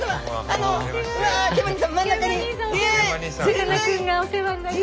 さかなクンがお世話になって。